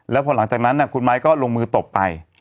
แล้วพอหลังจากนั้นคุณไม้ก็ลงมือตบไป